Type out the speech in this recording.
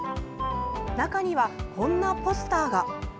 中には、こんなポスターが。